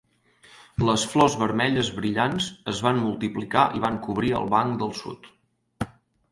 Les flors vermelles brillants es van multiplicar i van cobrir el banc del sud.